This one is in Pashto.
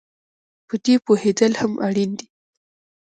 په دې پوهېدل هم اړین دي